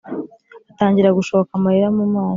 atangira gushoka amarira mumaso,